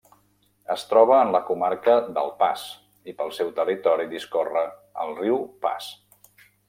Es troba en la comarca del Pas i pel seu territori discorre el Riu Pas.